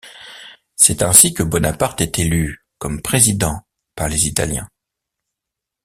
C'est ainsi que Bonaparte est élu, comme président, par les Italiens.